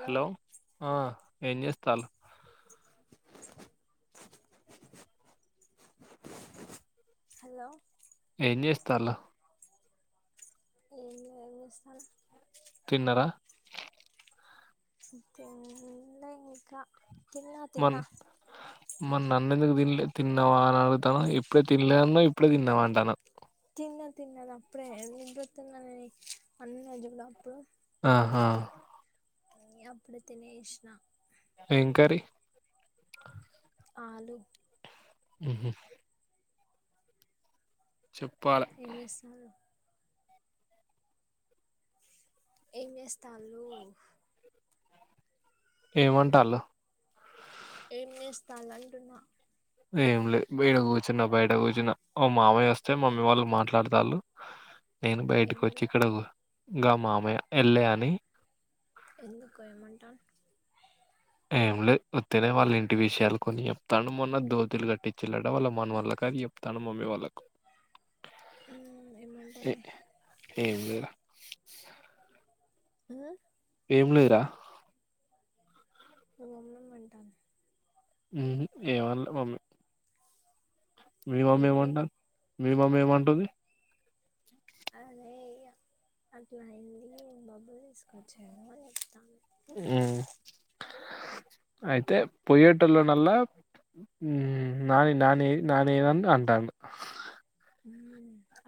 Hello ఆ ఏం చేస్తలు హలో ఏం చేస్తలు ఏమి ఏం చేస్తలు తిన్నరా తిన్లే ఇంకా తిన్నా తిన్నా అన్నందుకు తిన్లే తిన్నావా అని అడుగుతాన ఇప్పుడే తినలే అన్నవ్ ఇప్పుడే తిన్నావా అంటనవ్ తిన్న తిన్ననప్పుడే [unintelligible] ఆహా ఇగ అప్పుడే తినేష్నా ఎం కర్రీ ఆలు ఉహు చెప్పాలే ఏం చేస్తునరు ఏం చేస్తలు ఏం గొంటళు ఏం చేస్తాల అంటూనా ఏమి లేదు బయడ కూర్చున్న బయట కూర్చున మామయ వస్తే మమ్మీ వాళ్ళ మాట్లాడతళ్ళు నేను బయటకు వచ్చి ఎవరు ఇక్కడ ఇంకా మామయ్య వెళ్ళా అని ఎందుకోయమంటాను ఏం లేదు ఉతూనే వాళ్ళ ఇంటి విషయాలు కొని చెప్తాను మొన్న దోతిలు కట్టిచూడంట వాళ్ళ మనవల్ల క చెప్తాను మమ్మీ వాళ్ళలకు [inaudible] ఏమంటుంది ఏ అ ఏం లేరా [unintelligible] మంటాను ఏమన లే మమ్మీ మి మమ్మీ ఏంటి ఏమంటారు మి మమ్మీ ఏమంటుంది [unintelligible] అదే అట్లా అయింది [unintelligible] తీసుకొచ్చాను అని చెప్తాను అయితే పొయ్యేటలోనల్లా న న నాని అంటా అను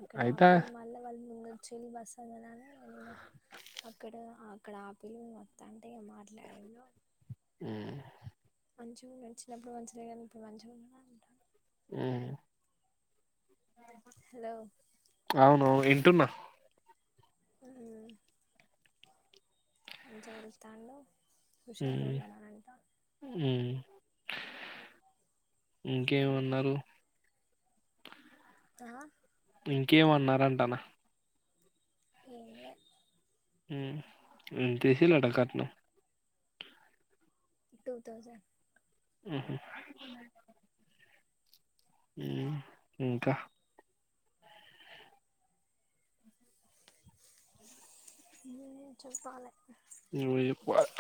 అక్కడ ఆపిన మళ్ళా వాళ్ళ ముందు వచ్చే వెళ్ళి బస్త ఇక నేను అక్కడ అక్కడ ఆపినం వాతంటే ఇగా మాట్లాడిన్నం, ఉమ్ మంచిగాడు చిన్నప్పుడు మంచిగా కానీ ఇప్పుడు మంచిగాండ అంటారు ఆ హలో అవునవును వింటున్నా ఆ మంచిగా చూస్తాండు ఉమ్ ఉమ్ ఇంకేమన్నారు, ఆ ఇంకేమన్నారంటానా ఎంలే తెసిలట కట్నం టూ థౌజండ్ ఆఓ ఇంకా చెపలి నువ్వే చెప్పాలి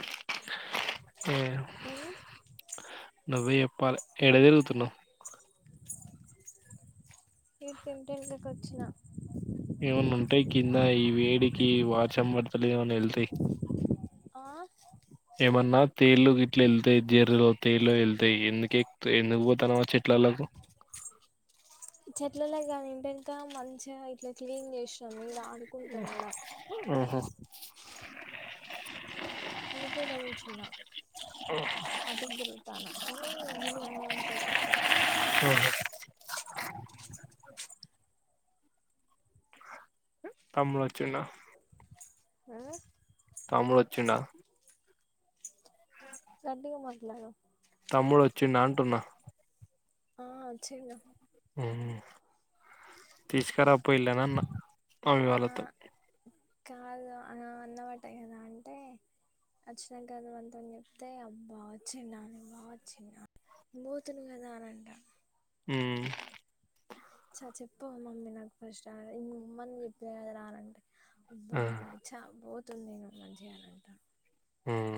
హ్మ్ నువ్వే చే పాలి ఎడ తిరుగుతున్నావు ఇ త టెన్కకి వచ్చిన ఏమన్నా ఉంటాయి కింద ఈ వేడికి వార్చం పడతలే ఏమన్నా వెళ్తాయి ఆ ఏమన్నా తేళ్లుకి ఇట్లా వెళ్తాయి జీర్రలో తేలు వెళ్తాయి ఎందుకే ఎందుకుపోతన చెట్లు అ అలాగ చెట్లలాగానీ ఇంట ఇంకా మంచిగా ఇట్లా క్లీన్ చేసాం మీరు ఆడుకుంటాం కూడా ఆహా మీకేనే కూచున్నా అటికి దొరుగుతాను కానీ వలు అన అడతారు ఆహా. తముళ వచ్చున్న ఆహ తముడు వచ్చిన గట్టిగా మాట్లాడు తమ్ముడు వచ్చిండా అంటున్నా ఆ వచ్చిండు ఉం తీసుకురా పోయిళనన్న మమ్మి ఆ వాళ్ళతో కాదు అన్నమాట కదా అంటే [unintelligible] అచ్చనా గారు అంతని చెప్తే అ బా చిన్నాను బా చిన్నా [inaudible] మోతును కదా అనంట [inaudible] ఉం చ చెప్ప మమ్మీ నాకు ఫస్ట్ ఇ మమ్మని చెప్పద రానంటే [inaudible] బా ఆ చ పోతుంది నేను మంచిగా అనింటా [inaudible] ఉం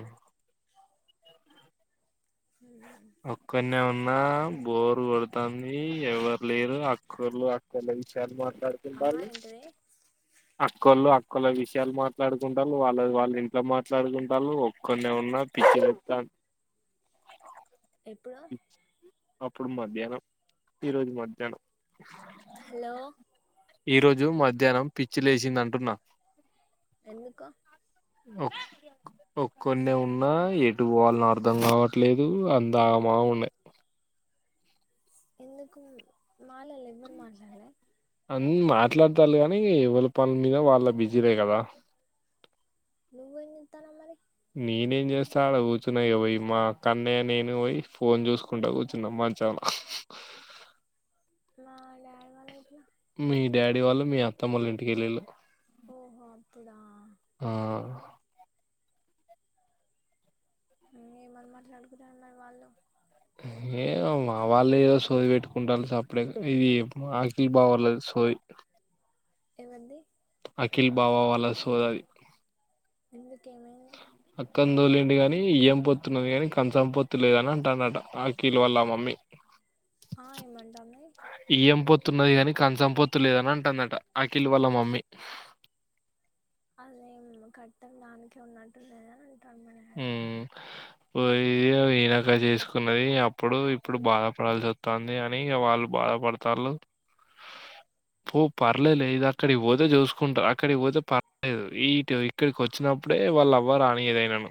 హ ఒక్కడనే ఉన్నా బోరు కొడుతుంది ఎవరు లేరు అక్కొల్లు అక్కర్లే విషారు ఆ మాట్లాడుతుంది ఏంటిది [unintelligible] అక్కోళ్ళు అక్కోళ్ళ విషయాలు మాట్లాడుకుంటారు వాళ్ళ వాళ్ళ ఇంట్లో మాట్లాడుకుంటారు ఒక్కనే వున్న న్న పిచ్చి లెత్తంది ఎప్పుడ ఇప్పుడు మధ్యాహ్నం ఈరోజు మధ్యాహ్నం హలో ఈ రోజు మధ్యాహ్నం పిచ్చి లేసిందంటున్నా ఎందుకు ఓ ఒక్కన్నే ఉన్నా ఎటు పోవాల్నో అర్ధం కావట్లేదు అంతా మా ఉన్నాయి ఎందుకు మాలోల్లు ఎవ్వరు మాట్లాడల ఉం మాట్లాడతారు లే కానీ ఎవరి పనుల మీద వాళ్ళ బిజీలే కదా నువ్వేం చెత్తనవ్ మరి నేనేం చేస్తా అడ కూర్చున్నా ఇగ పోయి మా కన్నయ నేను పోయి ఫోన్ చూసుకుంటా కూర్చున్నం హ చాల [unintelligible] మా లే్యా వాళ ఇట్లా [inaudible] మీ డాడీ వాళ్ళు మీ అత్తమ్మళ్లు ఇంటికెళ్ళళ్ళు ఓహో అక్కడ ఏమని మాట్లాడుగుతు మరి వాళ్ళు [inaudible] ఏో మా వాళ్ళు ఏదో సోది పెట్టుకుంటారు సప్పలే ఇది ఆకిలి బాగర్లేదు సోవి [unintelligible] ఎవరది అఖిల్ భావా వాల సోదది ఉం అక్కనీ తోలిండు గాని వియ్యం పొత్తున్నది గాని కంచం పొత్తు లేదని అంటన్నడట అఖిల్ వాల్ల మమ్మీ ఆ ఏమంటంది తున్నది గాని కంచం పోత్తు లేదని అంటున్నదట అఖిల్ వాళ్ళ మమ్మీ అదే కట్టం దనికిే ఉన్నట్ లే [inaudible] ఉం పోయి ఈనక చేసుకున్నది అప్పుడు ఇప్పుడు బాధపడాల్సి వత్తంది అని ఇక వాళ్ళు బాధపడతరు పూ పర్లేదు ఇది అక్కడి పోతే చూసుకుంటారు అక్కడి పోతే పర్లేదు ఈటు ఇక్కడికి వచ్చినప్పుడే వాళ్ళ అవ్వ రానియదు ఏదైనను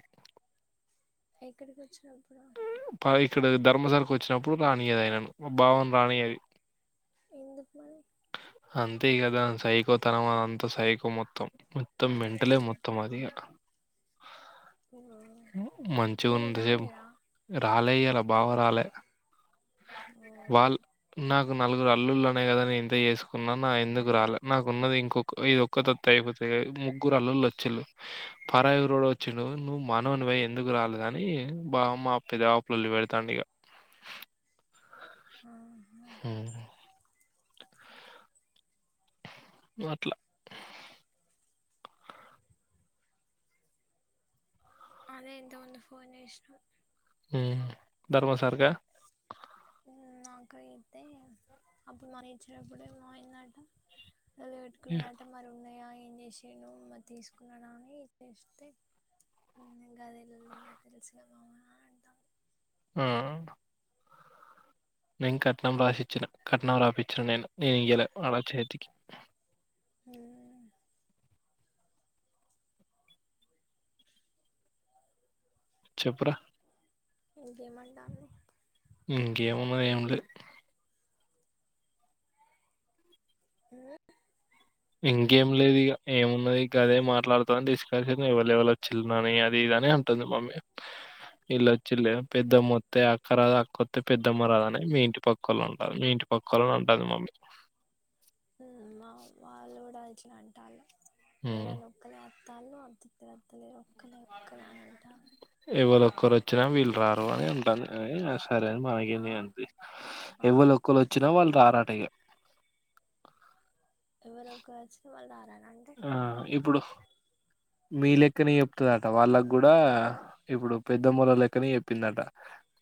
ఎక్కడికి వచ్చిన పా ఇక్కడ ధర్మసరకు వచ్చినప్పుడు రానియది అయినాను భావ ను రానియ్యది ఎందుకు మరి అంతే గదా సైకో తరం అంత సైకో మొత్తం మొత్తం మెంటలే మొత్తం అది ఇగ మంచిగా ఇయల ఉన్నంతసేపు రాలేదా రాలే ఇయ్యాల బావ రాలే ఓ వాళ్ళ నాకు నలుగురు అల్లులు అనేకదా నేను ఇంత చేసుకున్నా నా ఎందుకు రాలే నాకు ఉన్నది ఇంకొ ఇది ఒక్కతోతె అయిపోతది ముగ్గురు అల్లుల్లు వచ్చిళు పరాయి వచ్చి నువ్వు మానోవయి ఎందుకు రాలేదు అని బావ మాపిద లొల్లి పెడతాండికా [inaudible] ఆ అట్లా అదే ఎంత ముంది ఫోన్ చేసిర్రు ధర్మ సార్గా నాకు అయితే అప్పుడు మరి ఇచ్చినప్పుడెమో అయిందంటే లొల్లి పెట్టుకున్నాడు అంటే మరి ఉన్నాయా ఏం చేసిండు మరి తీసుకున్నాడా అని చేస్తే గది లొల్లిగా తెలుసు మమా అంటాం ఆ నేను కట్నం రాసిచ్చిన కట్నం రాపించిన నేను నేను ఇయ్యలే వాళ్ళ చేతికి ఉమ్ చెప్పరా ఇంకేమంటాంది ఇంకేమున్నది ఏమ్ లే అ ఇంకేం లేదు ఇక ఏమున్నది ఇక అదే మాట్లాడుతా అని తీసుకొచ్చింది ఎవలు ఎవలు వచ్చిలు అది ఇది అ నే అంటుంది మమ్మీ వీళ్ళువచ్చిలే పెద్దమ్మొత్త అక్కరా అకొత్తే పెద్దమ్మరాదు అనే మీ ఇంటి పక్క వాళ్ళ ఉంటారు మీ ఇంటి ఒక్కలని ఉంటుది మమ్మీ అ చల్చిన అంట ఉమ్. ఎవరైనా ఒక్కలే అత్తాలో అత్తలేరు ఒక్కలే ఒక్కలే అని అంటారు ఒకరు వచ్చినా వీళ్ళు రారు అనే ఉంటాది అ సరే అ ఆ మనకేంది అనిపిస్తుంది ఆ ఎవలు ఒక్కలు వచ్చినా వాళ్ళు రారట్ అేహ ఎవరో ఒకచ్చిన వాళ్ళు రారా ఆ ఇప్పుడు మీ లెక్కనే చెప్తుందట వాళ్ళకి కూడా ఇప్పుడు పెద్దమాల లెక్కనే చెప్పిందట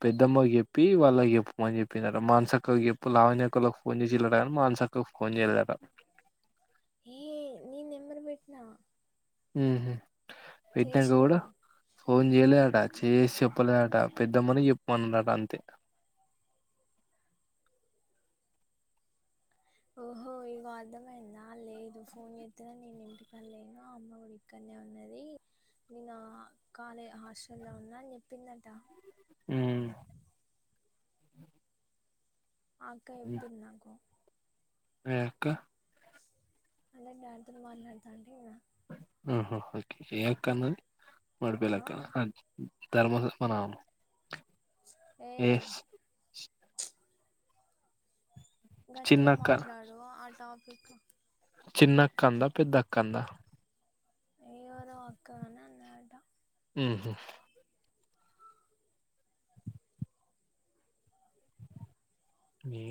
పెద్దమ్మకి జెప్పి వాళ్ళకు చెప్పుమని చెప్పిందట మానసక్కకు జెప్పు లావణ్యక్కొళ్లకు ఫోన్ జేషిల్లట గన్ మాక్ అక్కకు ఫోన్ చేయలేదట హే నీ నెంబర్ భేట్నా ఉహు చేసింది కదా ఫోన్ చేయలే అట చేసి చెప్పలే అట పెద్దమ్మని చెప్పమన్నట అంతే ? ఓహో ఇగో అర్థమైందా లేదు ఫోన్ జేత్తదన్ నేనింటికాడ్ లేను ఆ అమ్మ గుడిక్కడన్నే ఉన్నది నిన్న కాలే హాస్టల్ లో ఉన్నా అని చెప్పిందట ఉమ్ అకా ఏడుతుంది నాకు ఎ అక్క అంటే డాడీ తోను మాట్లాడతా అండి ఇగ ఆహ ఓకే కన్నాది ఆ మపేలక్కన ధర్మ ధుష్మ నామం ఏ ఏస్ గట్టిగ చిన్నక్క మాట్లాడవా ఆ టాపిక్కు చిన్నక్క అందా పెద్దక్క అందా [unintelligible] ఉహు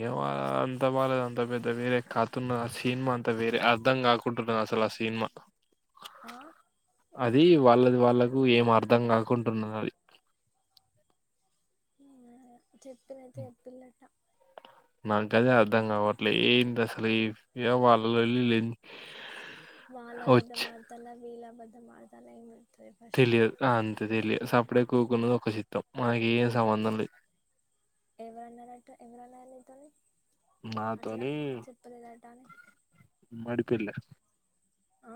ఏమో అంత మనకు అంత పెద్ద వేరే కాతున్న సినిన్మా అంత వేరే అర్ధం కాకు టది అసలు ఆ సినిమా ఆ అది వాళ్ళది వాళ్ళకు ఏం అర్థం కాకుంటున్నది చెప్పినతే చెప్పిల్లట నాగ్గదే అర్ధం గావట్లే ఏంటసలు ఇవి ఏవో వాళ్ళలోళ్ళి లే వాళ్లబద్ధం ఆడతాల్ల వీల్లబద్ధం ఆడతాల్ల ఇంగ తెలియదు ఆన్ తెదీర్లే సప్పుడే కూకున్నమా ఒక చిత్తం మనకి ఏం సంబంధం లేదు ఎవరన్నరట ఎవరున్నర్నితోని అట్ల నాతోని చెప్పలేదటాని పిల్ల ఆ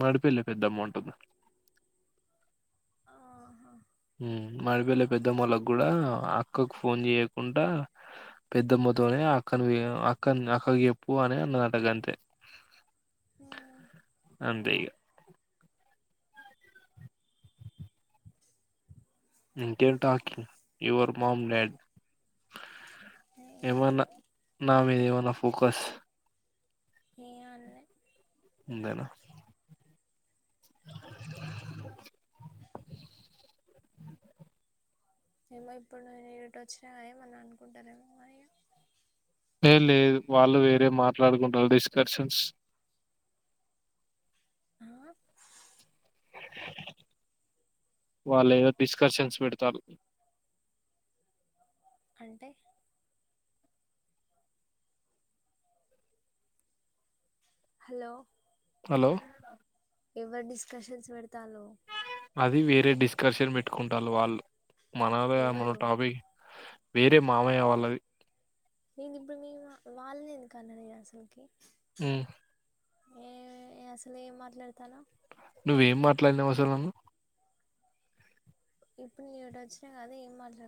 మాడిపిల్ల పెద్దమో అంటూనా ఆహ ఉమ్ మదిపిల్ల పెద్దమ్మలోకి కూడా అక్కకు ఫోన్ చేయ్యకుండా పెద్దమ్మ తోనే అక్కన అక్కన్ అక్కకి చెప్పు అని అన్నదట అంతే ? అంతే ఇగ ఇంకేం talking your mom and dad ఏం ఏమన్న లేదు నా మీదేమన్న ఫోకస్ నేన్ అన్లే ఉందనా ? ఏమో ఇప్పుడు నేను ఇట వచ్చిన ఏమన్న అనుకుంటారేమో అయ యే లేదు వాళ్ళు వేరే మాట్లాడుకుంటారు డిస్కర్షన్స్ ఆ వాళ్ళు ఏదో డిస్కషన్స్ పెడతారు అంటే హలో హలో ఎవరు డిస్కషన్స్ పెడతల్లు అది వేరే డిస్కషన్ పెట్టుకుంటాళ్ళు వాళ్ళు మనలో మన ఎవరు టాపిక్ వేరే మామయ్య వాళ్ళది నేనిప్పుడు మీ వ వాళ్నెందుకన్న నేనసల్కి ఉమ్ ఏ అసలు ఏం మాట్లాడతానా నువ్వేం మాట్లాడ్నవ్ అసల్ నన్ను ఇప్పుడు ఇడ్ వచ్చిన్ కదా ఏమాట్ల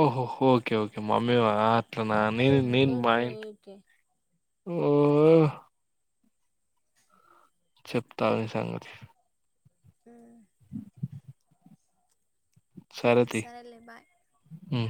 ఓహో ఓకే ఓకే మమ్మీ వాళ్ళా అట్లనా నేను ఏహే నేన్ మా ఓకే ఇంటి ఓకే ఆ చెప్తా ఆగు నీ సంగతి హ్మ్ సరేలే బై అ